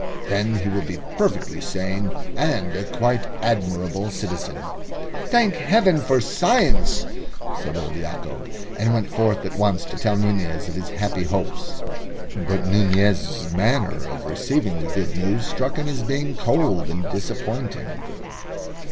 "Then he will be perfectly sane, and a quite admirable citizen." "Thank Heaven for science!" said old Yacob, and went forth at once to tell Nunez of his happy hopes. But Nunez's manner of receiving the good news struck him as being cold and disappointing.